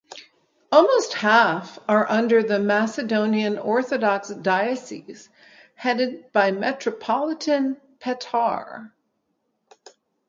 Almost half are under the Macedonian Orthodox diocese headed by Metropolitan Petar.